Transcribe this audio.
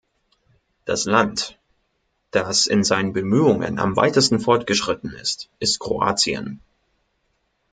Das Land, das in seinen Bemühungen am weitesten fortgeschritten ist, ist Kroatien.